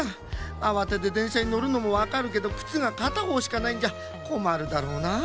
あわててでんしゃにのるのもわかるけどくつがかたほうしかないんじゃこまるだろうなあ。